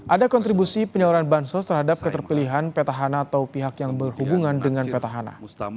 ada kontribusi penyaluran bansos terhadap keterpilihan petahana atau pihak yang berhubungan dengan petahana